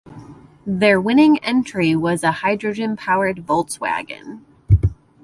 Their winning entry was a hydrogen powered Volkswagen.